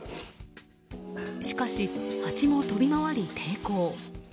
しかしハチも飛び回り、抵抗。